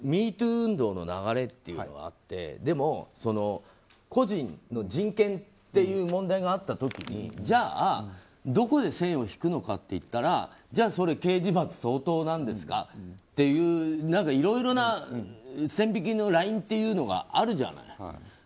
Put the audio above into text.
運動の流れというのがあってでも、個人の人権っていう問題があった時にじゃあどこで線を引くのかと言ったらじゃあそれは刑事罰相当なんですかといういろいろな線引きのラインというのがあるじゃない。